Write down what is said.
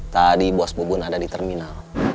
tadi bos bubun ada di terminal